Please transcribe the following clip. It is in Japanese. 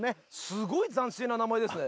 すごい斬新な名前ですね